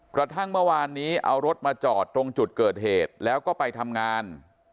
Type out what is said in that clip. กระทั่งเมื่อวานนี้เอารถมาจอดตรงจุดเกิดเหตุแล้วก็ไปทำงาน